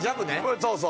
そうそう。